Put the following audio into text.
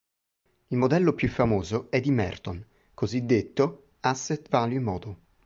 Il modello più famoso è di Merton, cosiddetto "asset value model".